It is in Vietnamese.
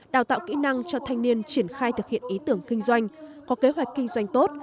đào tạo kỹ năng cho thanh niên triển khai thực hiện ý tưởng kinh doanh có kế hoạch kinh doanh tốt